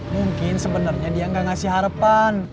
mungkin sebenernya dia gak ngasih harapan